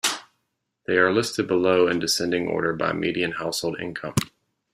They are listed below in descending order by median household income.